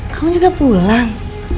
kamu juga pulang